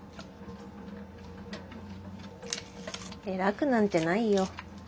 偉くなんてないよ。